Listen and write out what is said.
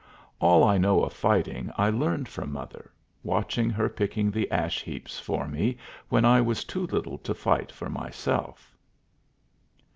All I know of fighting I learned from mother, watching her picking the ash heaps for me when I was too little to fight for myself.